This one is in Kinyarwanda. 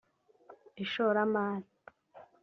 ishoramari